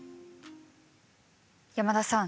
山田さん